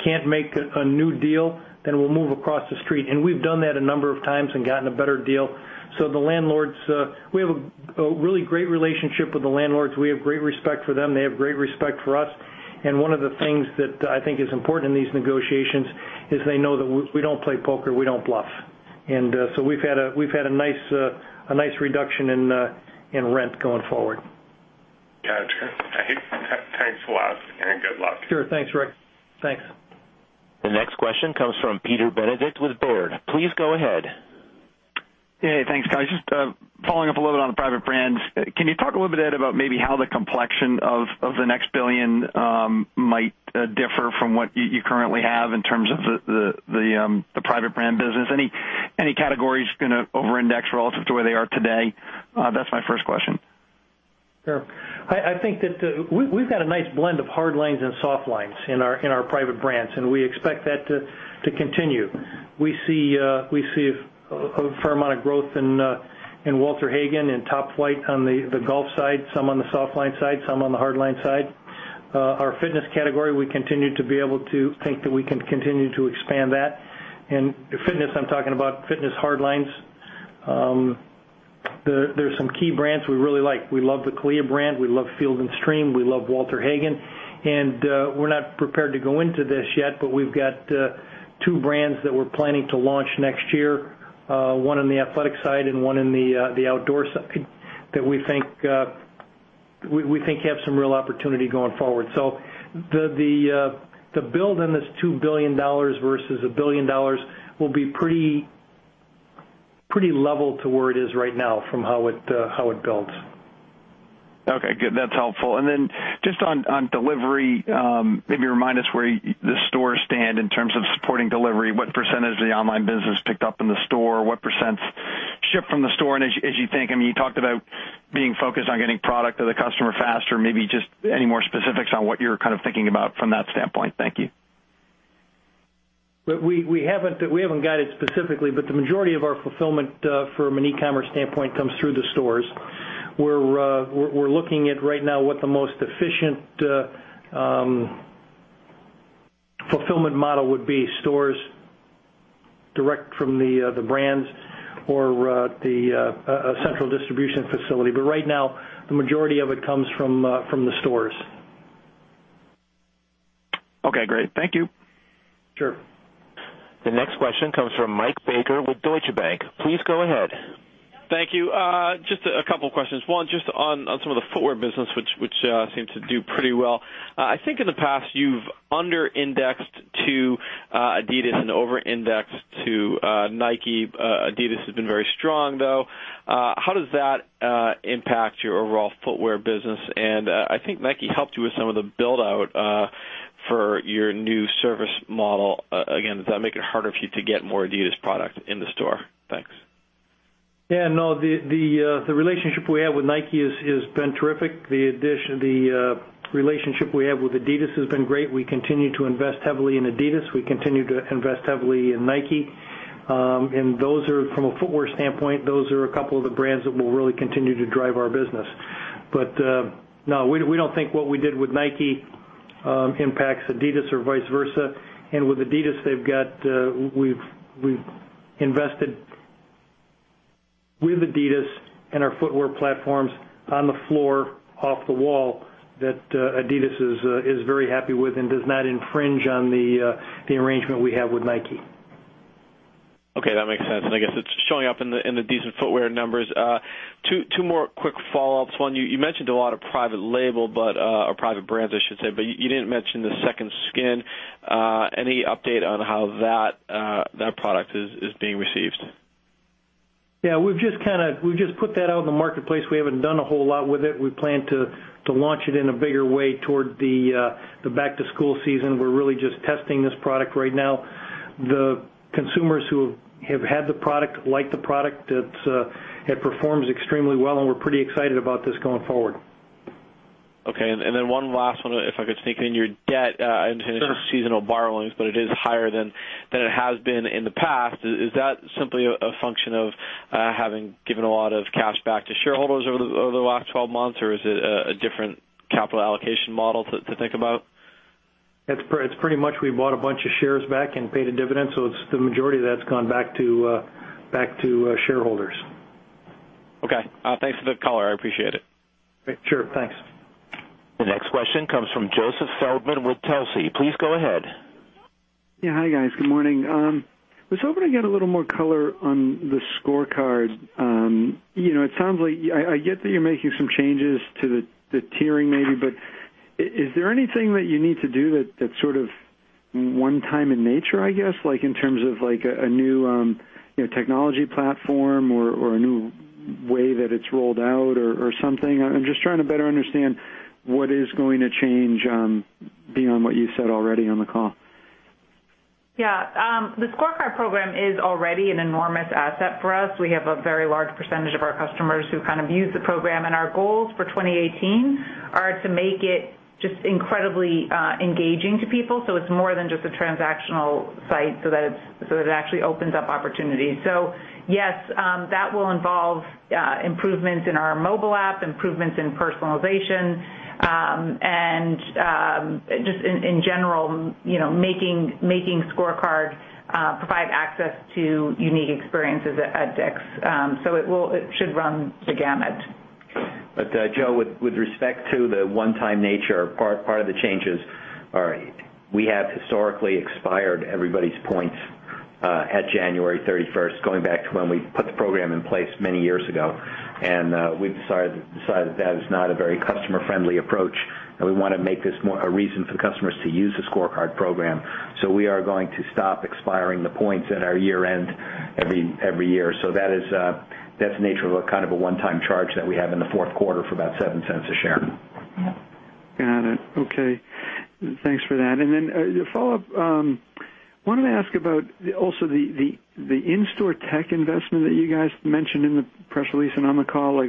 can't make a new deal, then we'll move across the street. We've done that a number of times and gotten a better deal. We have a really great relationship with the landlords. We have great respect for them. They have great respect for us. One of the things that I think is important in these negotiations is they know that we don't play poker, we don't bluff. We've had a nice reduction in rent going forward. Gotcha. Thanks a lot, good luck. Sure. Thanks, Rick. Thanks. The next question comes from Peter Benedict with Baird. Please go ahead. Hey. Thanks, guys. Just following up a little bit on the private brands. Can you talk a little bit about maybe how the complexion of the next billion might differ from what you currently have in terms of the private brand business? Any categories going to over-index relative to where they are today? That's my first question. Sure. I think that we've got a nice blend of hard lines and soft lines in our private brands, and we expect that to continue. We see a fair amount of growth in Walter Hagen and Top Flite on the golf side, some on the soft line side, some on the hard line side. Fitness, I'm talking about fitness hard lines. There's some key brands we really like. We love the CALIA brand, we love Field & Stream, we love Walter Hagen. We're not prepared to go into this yet, but we've got two brands that we're planning to launch next year, one on the athletic side and one in the outdoor side, that we think have some real opportunity going forward. The build in this $2 billion versus $1 billion will be pretty level to where it is right now from how it builds. Okay, good. That's helpful. Then just on delivery, maybe remind us where the stores stand in terms of supporting delivery. What percentage of the online business picked up in the store, what % shipped from the store? As you think, you talked about being focused on getting product to the customer faster, maybe just any more specifics on what you're kind of thinking about from that standpoint. Thank you. We haven't got it specifically, the majority of our fulfillment from an e-commerce standpoint comes through the stores. We're looking at right now what the most efficient fulfillment model would be, stores direct from the brands or a central distribution facility. Right now, the majority of it comes from the stores. Okay, great. Thank you. Sure. The next question comes from Michael Baker with Deutsche Bank. Please go ahead. Thank you. Just a couple of questions. One, just on some of the footwear business, which seemed to do pretty well. I think in the past, you've under-indexed to Adidas and over-indexed to Nike. Adidas has been very strong, though. How does that impact your overall footwear business? I think Nike helped you with some of the build-out for your new service model. Again, does that make it harder for you to get more Adidas product in the store? Thanks. No, the relationship we have with Nike has been terrific. The relationship we have with Adidas has been great. We continue to invest heavily in Adidas. We continue to invest heavily in Nike. From a footwear standpoint, those are a couple of the brands that will really continue to drive our business. No, we don't think what we did with Nike impacts Adidas or vice versa. With Adidas, we've invested with Adidas in our footwear platforms on the floor, off the wall, that Adidas is very happy with and does not infringe on the arrangement we have with Nike. Okay, that makes sense. I guess it's showing up in the decent footwear numbers. Two more quick follow-ups. One, you mentioned a lot of private label, or private brands, I should say, but you didn't mention the Second Skin. Any update on how that product is being received? Yeah, we've just put that out in the marketplace. We haven't done a whole lot with it. We plan to launch it in a bigger way toward the back-to-school season. We're really just testing this product right now. The consumers who have had the product, like the product. It performs extremely well, and we're pretty excited about this going forward. Okay. One last one, if I could sneak it in. Your debt, I understand it's seasonal borrowings, but it is higher than it has been in the past. Is that simply a function of having given a lot of cash back to shareholders over the last 12 months, or is it a different capital allocation model to think about? It's pretty much we bought a bunch of shares back and paid a dividend, so the majority of that's gone back to shareholders. Okay. Thanks for the color. I appreciate it. Sure. Thanks. The next question comes from Joseph Feldman with Telsey. Please go ahead. Yeah. Hi, guys. Good morning. Was hoping to get a little more color on the ScoreCard. I get that you're making some changes to the tiering maybe, Is there anything that you need to do that's sort of one-time in nature, I guess, like in terms of a new technology platform or a new way that it's rolled out or something? I'm just trying to better understand what is going to change beyond what you said already on the call. Yeah. The ScoreCard program is already an enormous asset for us. We have a very large percentage of our customers who kind of use the program. Our goals for 2018 are to make it just incredibly engaging to people so it's more than just a transactional site so that it actually opens up opportunities. Yes, that will involve improvements in our mobile app, improvements in personalization, and just in general, making ScoreCard provide access to unique experiences at DICK'S. It should run the gamut. Joe, with respect to the one-time nature part of the changes are we have historically expired everybody's points at January 31st, going back to when we put the program in place many years ago. We've decided that is not a very customer-friendly approach, and we want to make this a reason for customers to use the ScoreCard program. We are going to stop expiring the points at our year-end every year. That's the nature of a kind of a one-time charge that we have in the fourth quarter for about $0.07 a share. Yep. Got it. Okay. Thanks for that. Then a follow-up. Wanted to ask about also the in-store tech investment that you guys mentioned in the press release and on the call.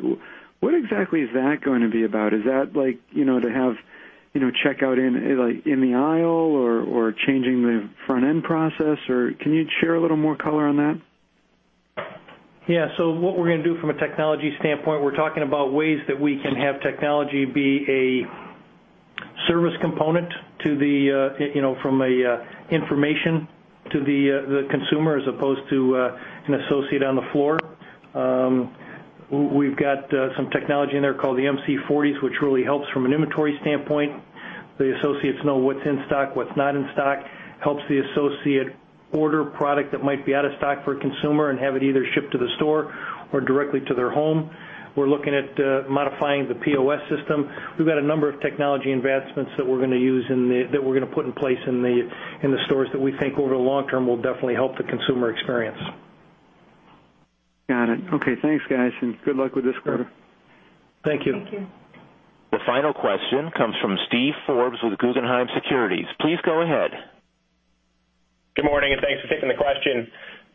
What exactly is that going to be about? Is that like to have checkout in the aisle or changing the front-end process, or can you share a little more color on that? Yeah. What we're gonna do from a technology standpoint, we're talking about ways that we can have technology be a service component from information to the consumer as opposed to an associate on the floor. We've got some technology in there called the MC40, which really helps from an inventory standpoint. The associates know what's in stock, what's not in stock. Helps the associate order product that might be out of stock for a consumer and have it either shipped to the store or directly to their home. We're looking at modifying the POS system. We've got a number of technology investments that we're gonna put in place in the stores that we think over the long term will definitely help the consumer experience. Got it. Okay. Thanks, guys, and good luck with this quarter. Thank you. Thank you. The final question comes from Steven Forbes with Guggenheim Securities. Please go ahead. Good morning, thanks for taking the question.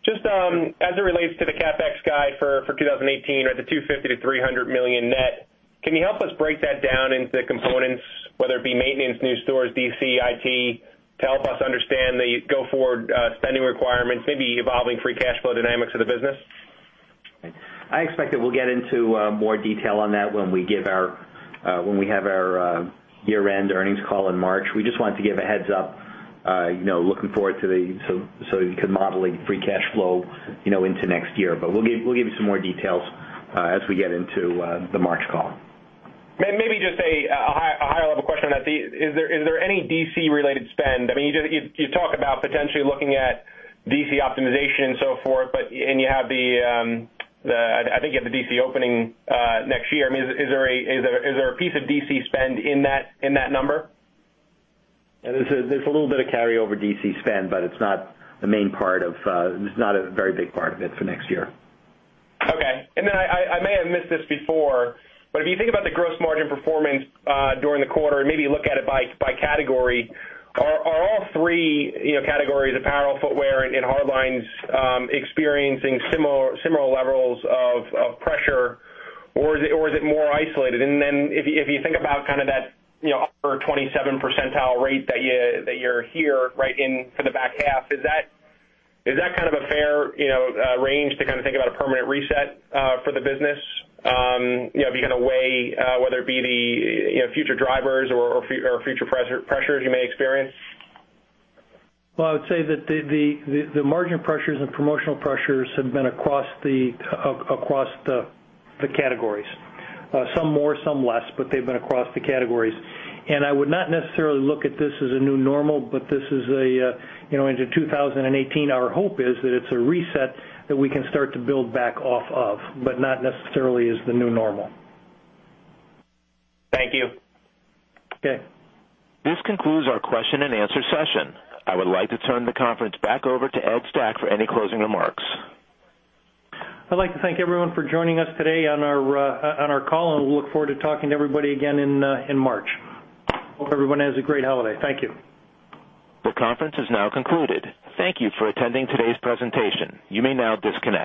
Just as it relates to the CapEx guide for 2018 or the $250 million-$300 million net, can you help us break that down into components, whether it be maintenance, new stores, DC, IT, to help us understand the go-forward spending requirements, maybe evolving free cash flow dynamics of the business? I expect that we'll get into more detail on that when we have our year-end earnings call in March. We just wanted to give a heads-up looking forward so you could model a free cash flow into next year. We'll give you some more details as we get into the March call. Maybe just a higher level question on that. Is there any DC-related spend? You talk about potentially looking at DC optimization and so forth, and I think you have the DC opening next year. Is there a piece of DC spend in that number? There's a little bit of carryover DC spend, but it's not a very big part of it for next year. Okay. I may have missed this before, but if you think about the gross margin performance during the quarter and maybe look at it by category, are all three categories, apparel, footwear, and hard lines, experiencing similar levels of pressure, or is it more isolated? If you think about kind of that upper 27 percentile rate that you're here, right in from the back half, is that kind of a fair range to kind of think about a permanent reset for the business if you kind of weigh whether it be the future drivers or future pressures you may experience? Well, I would say that the margin pressures and promotional pressures have been across the categories. Some more, some less, but they've been across the categories. I would not necessarily look at this as a new normal, but into 2018, our hope is that it's a reset that we can start to build back off of, but not necessarily as the new normal. Thank you. Okay. This concludes our question and answer session. I would like to turn the conference back over to Ed Stack for any closing remarks. I'd like to thank everyone for joining us today on our call. We look forward to talking to everybody again in March. Hope everyone has a great holiday. Thank you. The conference is now concluded. Thank you for attending today's presentation. You may now disconnect.